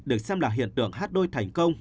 được xem là hiện tượng hát đôi thành công